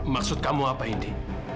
maksud kamu apa indi